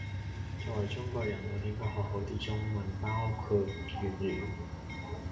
作為中國人我哋應該學好啲中文，包括粵語